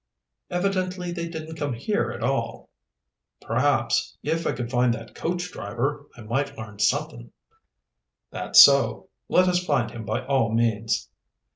"Evidently they didn't come here at all." "Perhaps, if I could find that coach driver, I might learn somethin'." "That's so let us find him by all means."